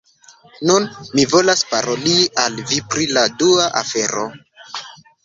Nun, mi volas paroli al vi pri la dua afero.